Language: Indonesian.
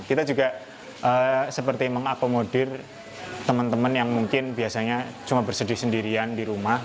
kita juga seperti mengakomodir teman teman yang mungkin biasanya cuma bersedih sendirian di rumah